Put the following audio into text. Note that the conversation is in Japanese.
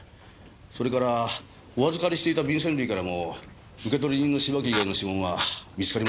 それからお預かりしていた便せん類からも受取人の芝木以外の指紋は見つかりませんでした。